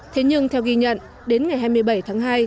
thế nhưng theo ghi nhận đến ngày hai mươi bảy tháng hai